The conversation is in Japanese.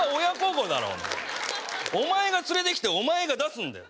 お前が連れてきてお前が出すんだよ